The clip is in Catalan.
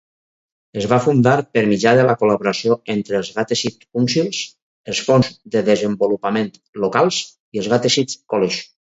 Es va fundar per mitjà de la col·laboració entre el Gateshead Council, els fons de desenvolupament locals i el Gateshead College.